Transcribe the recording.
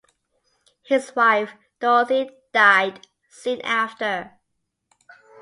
His wife Dorothy died soon after.